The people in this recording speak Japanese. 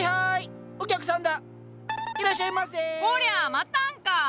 待たんか！